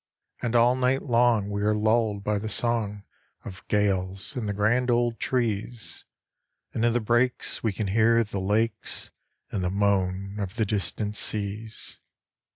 And all night long we are lulled by the song Of gales in the grand old trees; And in the brakes we can hear the lakes And the moan of the distant seas.